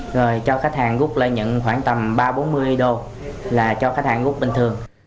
rồi cho khách hàng gúc lợi nhận khoảng tầm ba bốn mươi đô là cho khách hàng gúc bình thường